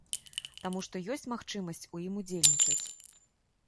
Таму, што ёсць магчымасць у ім удзельнічаць.